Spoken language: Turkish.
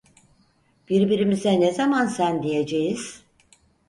Birbirimize ne zaman sen diyeceğiz?